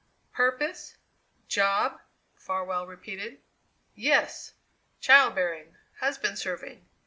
"Purpose? Job?" Farwell repeated. "Yes. Child bearing; husband serving.